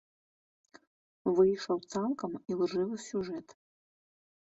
Выйшаў цалкам ілжывы сюжэт.